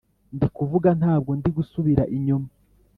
ndi kuvuga ntabwo ndi gusubira inyuma, ,